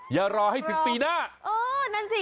อย่ารอให้ถึงปีหน้าเออนั่นสิ